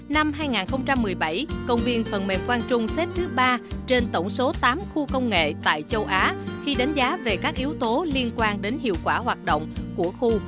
năm hai nghìn một mươi bảy công viên phần mềm quang trung xếp thứ ba trên tổng số tám khu công nghệ tại châu á khi đánh giá về các yếu tố liên quan đến hiệu quả hoạt động của khu